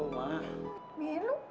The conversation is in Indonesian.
lu udah tau dong